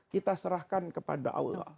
kita serahkan kepada allah